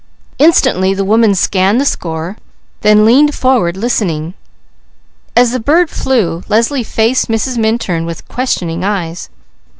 Instantly the woman scanned the score, then leaned forward listening. As the bird flew, Leslie faced Mrs. Minturn with questioning eyes.